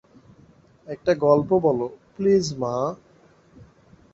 একটা গল্প বলো, প্লিজ মা!